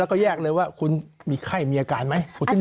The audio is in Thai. แล้วก็แยกเลยว่าคุณมีไข้มีอาการไหม